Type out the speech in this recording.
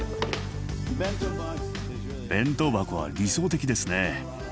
弁当箱は理想的ですね。